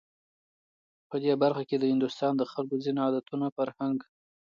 په دې برخه کې د هندوستان د خلکو ځینو عادتونو، فرهنک